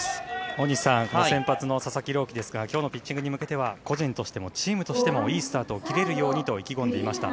大西さん先発の佐々木朗希ですが今日のピッチングに向けては個人としてもチームとしてもいいスタートを切れるようにと意気込んでいました。